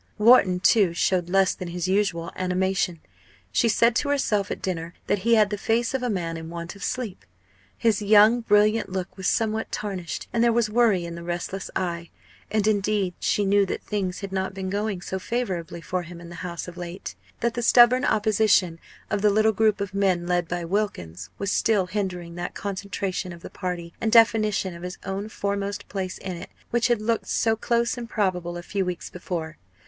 Wharton, too, showed less than his usual animation. She said to herself at dinner that he had the face of a man in want of sleep. His young brilliant look was somewhat tarnished, and there was worry in the restless eye. And, indeed, she knew that things had not been going so favourably for him in the House of late that the stubborn opposition of the little group of men led by Wilkins was still hindering that concentration of the party and definition of his own foremost place in it which had looked so close and probable a few weeks before.